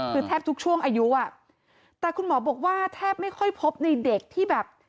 คือแทบทุกช่วงอายุอ่ะแต่คุณหมอบอกว่าแทบไม่ค่อยพบในเด็กที่แบบ